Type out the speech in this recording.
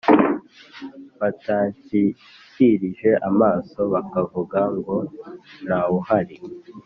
Batanshyikirije amaso bakavuga ngo ntawuhari